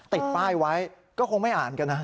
ติดป้ายไว้ก็คงไม่อ่านกันนะ